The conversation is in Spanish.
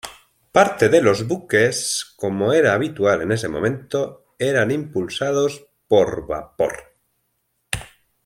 Parte de los buques, como era habitual en ese momento, eran impulsados por vapor.